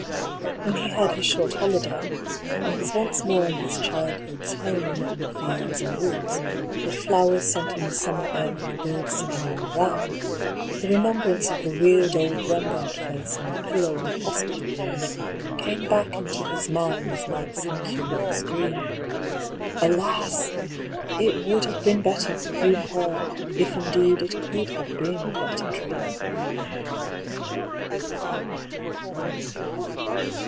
When he had his short holiday, and was once more in his childhood's home among the fields and woods, with flowers scenting the summer air and the birds singing all around, the remembrance of the weird old Rembrandt face on the pillow in the hospital ward came back into his mind as might some curious dream. Alas ! it would have been better for Hugh PauU if indeed it could have been but a dream.